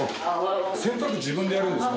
洗濯自分でやるんですか？